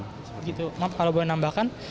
gitu maaf kalau boleh menambahkan